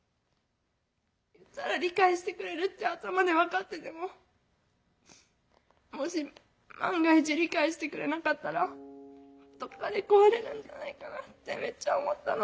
「言ったら理解してくれるって頭で分かっててももし万が一理解してくれなかったらどっかで壊れるんじゃないかなってめっちゃ思ったの。